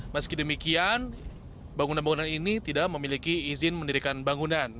meski demikian bangunan bangunan ini tidak memiliki izin mendirikan bangunan